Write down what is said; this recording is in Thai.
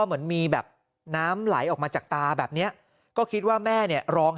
เหมือนมีแบบน้ำไหลออกมาจากตาแบบนี้ก็คิดว่าแม่เนี่ยร้อง